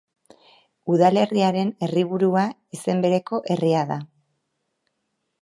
Udalerriaren herriburua izen bereko herria da.